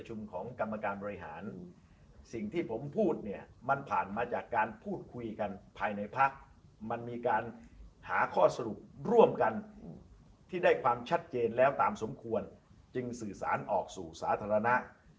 สร้างมาจากการพูดคุยกันภายในพักมันมีการหาข้อสรุปรวมกันที่ได้ความชัดเจนแล้วตามสมควรจึงสื่อสารออกสู่สาธารณะ